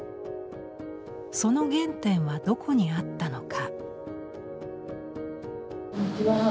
その原点はどこにあったのか。